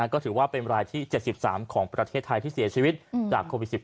ก็ถือว่าเป็นรายที่๗๓ของประเทศไทยที่เสียชีวิตจากโควิด๑๙